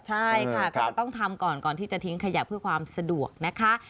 ใช่ค่ะก็จะต้องทำก่อนก่อนที่จะทิ้งขยะเพื่อความสะดวกนะคะ